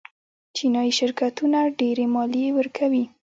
چینايي شرکتونه ډېرې مالیې ورکوي.